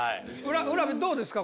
卜部どうですか？